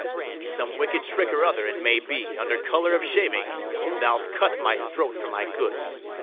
Some wicked trick or other: it may be, under colour of shaving, thou'lt cut my throat for my goods.